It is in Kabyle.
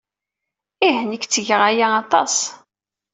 Ih, nekk ttgeɣ aya aṭas.